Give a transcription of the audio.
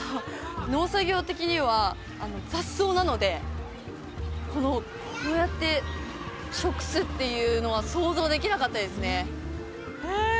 農作業的には雑草なのでこうやって食すっていうのは想像できなかったですねへえ！